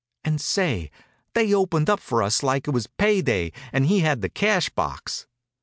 And say, they opened up for us like it was pay day and he had the cash box.